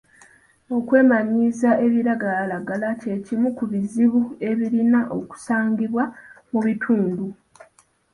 Okwemanyiiza ebiragalalagala kye kimu ku bizibu ebirina okusangibwa mu bitundu.